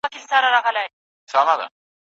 او د قبرونو پر کږو جنډيو